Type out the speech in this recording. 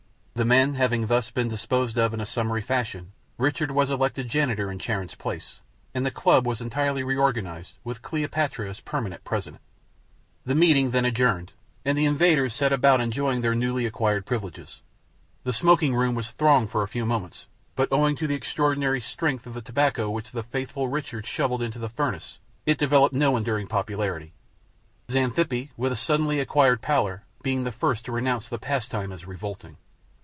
The men having thus been disposed of in a summary fashion, Richard was elected Janitor in Charon's place, and the club was entirely reorganized, with Cleopatra as permanent President. The meeting then adjourned, and the invaders set about enjoying their newly acquired privileges. The smoking room was thronged for a few moments, but owing to the extraordinary strength of the tobacco which the faithful Richard shovelled into the furnace, it developed no enduring popularity, Xanthippe, with a suddenly acquired pallor, being the first to renounce the pastime as revolting.